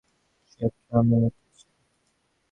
সে ট্রামে উঠেছে!